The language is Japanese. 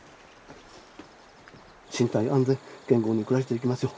身体安全健康に暮らしていけますよう。